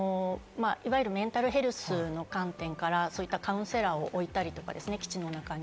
いわゆるメンタルヘルスの観点からカウンセラーを置いたりとか、基地の中に。